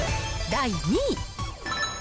第２位。